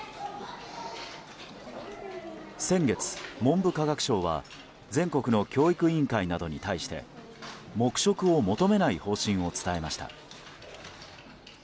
先月、文部科学省は全国の教育委員会などに対して黙食を求めない方針を伝えました。